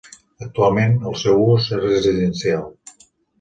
Actualment el seu ús és residencial.